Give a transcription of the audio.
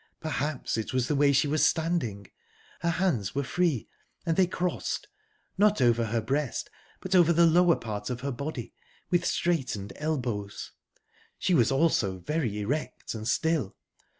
Perhaps it was the way she was standing. Her hands were free, and they crossed, not over her breast but over the lower part of her body, with straightened elbows. She was also very erect and still.